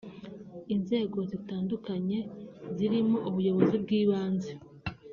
Inzego zitandukanye zirimo ubuyobozi bw’ibanze